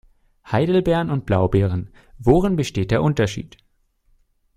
Heidelbeeren und Blaubeeren - worin besteht der Unterschied?